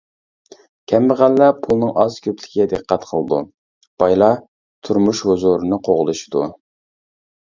كەمبەغەللەر پۇلنىڭ ئاز-كۆپلۈكىگە دىققەت قىلىدۇ، بايلار تۇرمۇش ھۇزۇرىنى قوغلىشىدۇ.